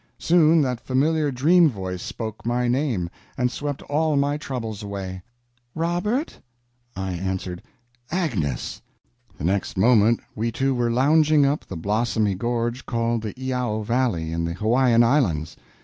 Soon that familiar dream voice spoke my name, and swept all my troubles away: "Robert!" I answered: "Agnes!" The next moment we two were lounging up the blossomy gorge called the Iao Valley, in the Hawaiian Islands.